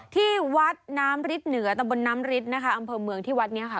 ที่วัดน้ำฤทธิเหนือตำบลน้ำฤทธิ์นะคะอำเภอเมืองที่วัดนี้ค่ะ